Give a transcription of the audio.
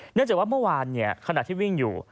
เนื่องจากว่าเมื่อวานขณะที่วิ่งอยู่